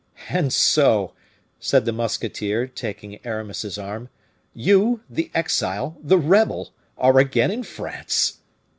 "And so," said the musketeer, taking Aramis's arm, "you, the exile, the rebel, are again in France?"